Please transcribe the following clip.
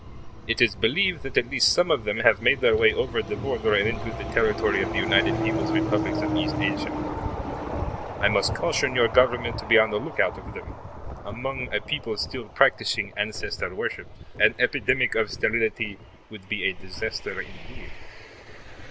It is believed that at least some of them have made their way over the border and into the territory of the United Peoples' Republics of East Asia. I must caution your Government to be on the lookout of them. Among a people still practicing ancestor worship, an epidemic of sterility would be a disaster indeed.